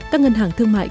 các ngân hàng thương mại